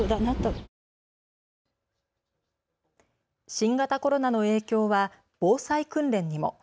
新型コロナの影響は防災訓練にも。